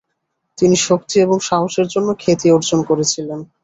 তিনি শক্তি এবং সাহসের জন্য খ্যাতি অর্জন করেছিলেন।